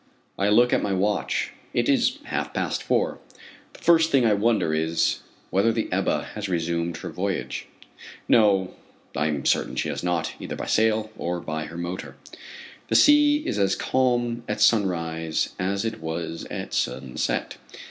I look at my watch. It is half past four. The first thing I wonder is, whether the Ebba has resumed her voyage. No, I am certain she has not, either by sail, or by her motor. The sea is as calm at sunrise as it was at sunset.